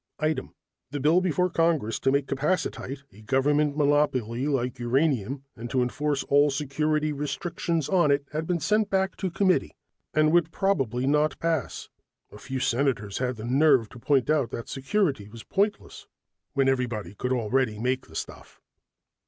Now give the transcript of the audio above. Item: the bill before Congress to make capacitite a government monopoly like uranium, and to enforce all security restrictions on it, had been sent back to committee and would probably not pass. A few senators had had the nerve to point out that security was pointless when everybody could already make the stuff.